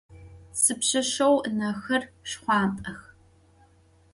Sipşseşseğu ınexer şşxhuant'ex.